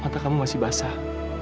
mata kamu masih basah